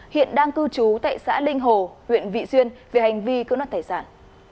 hiện đang cư trú tại xã linh hồ huyện vị xuyên về hành vi cưỡng đoạt tài sản